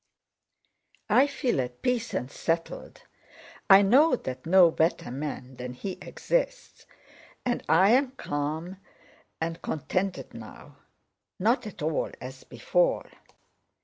I feel at peace and settled. I know that no better man than he exists, and I am calm and contented now. Not at all as before."